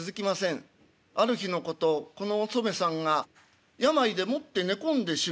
ある日のことこのおそめさんが病でもって寝込んでしまう。